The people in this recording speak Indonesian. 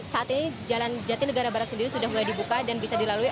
saat ini jalan jati negara barat sendiri sudah mulai dibuka dan bisa dilalui